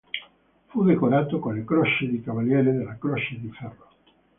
Fu decorato con la Croce di Cavaliere della Croce di Ferro.